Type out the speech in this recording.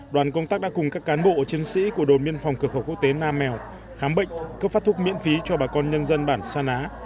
đoàn công tác đã cùng các cán bộ chiến sĩ của đồn biên phòng cửa khẩu quốc tế nam mèo khám bệnh cấp phát thuốc miễn phí cho bà con nhân dân bản sa ná